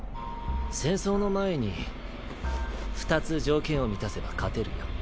戦争の前に２つ条件を満たせば勝てるよ。